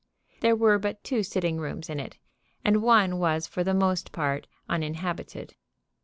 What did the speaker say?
There were but two sitting rooms in it, and one was for the most part uninhabited.